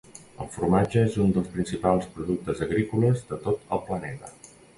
El formatge és un dels principals productes agrícoles de tot el planeta.